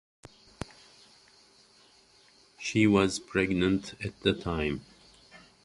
She was pregnant at the time.